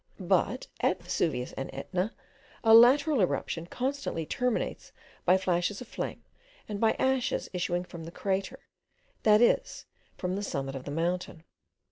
But at Vesuvius and Etna a lateral eruption constantly terminates by flashes of flame and by ashes issuing from the crater, that is, from the summit of the mountain.